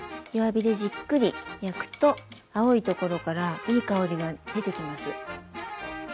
弱火でじっくり焼くと青いところからいい香りが出てきます。